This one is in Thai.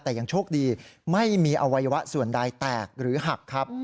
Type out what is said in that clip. แต่ยังโชคดีไม่มีอวัยวะส่วนใดแตกหรือหักครับ